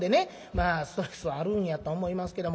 まあストレスはあるんやと思いますけども。